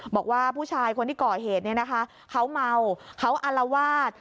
บอกว่าผู้ชายคนที่ก่อเหตุเนี่ยนะคะเขาเมาเขาอารวาส